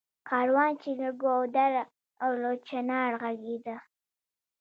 کاروان چــــې له ګـــــودره او له چنار غـــږېده